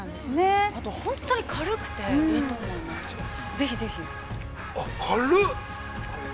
ぜひぜひ。